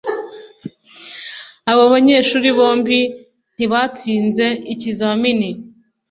Abo banyeshuri bombi ntibatsinze ikizamini